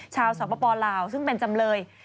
ชาวสปลาวซึ่งเป็นจำเลย